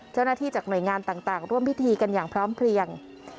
เจ้าหน้าที่จากหน่วยงานต่างร่วมพิธีกันอย่างพร้อมเพลียง